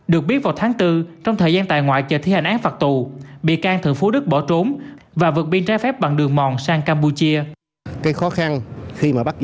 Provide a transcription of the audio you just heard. được biết vào tháng bốn trong thời gian tại ngoại chờ thi hành án phạt tù bị can thượng phú đức bỏ trốn và vượt biên trái phép bằng đường mòn sang campuchia